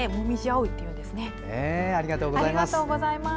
ありがとうございます。